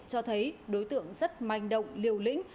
cho thấy đối tượng rất manh động liều lĩnh